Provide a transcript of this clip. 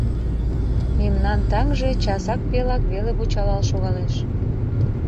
Мемнан таҥже часак пелак веле вучалал шогалеш.